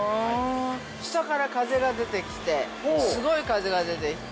◆下から風が出てきてすごい風が出てきて。